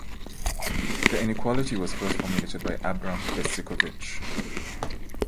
The inequality was first formulated by Abram Besicovitch.